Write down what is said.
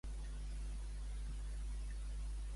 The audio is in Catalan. També s'hi troben exposicions temporals, com Poesia concreta.